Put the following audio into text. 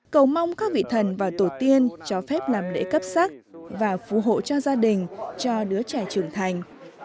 cầu mong các vị thần và tổ tiên cho phép làm lễ cấp sắc và phù hộ cho gia đình cho đứa trẻ trưởng thành